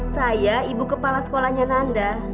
saya ibu kepala sekolahnya nanda